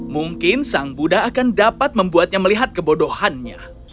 mungkin sang buddha akan dapat membuatnya melihat kebodohannya